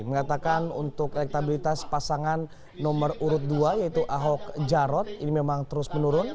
mengatakan untuk elektabilitas pasangan nomor urut dua yaitu ahok jarot ini memang terus menurun